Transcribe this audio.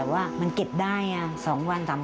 สวัสดีค่ะสวัสดีค่ะ